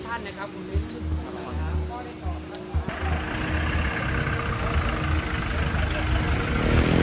พี่เบ๊กไปกินข้าวกินไงพี่